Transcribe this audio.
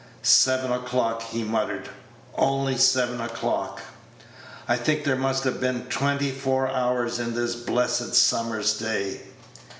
"Seven o'clock," he muttered; "only seven o'clock. I think there must have been twenty four hours in this blessed summer's day."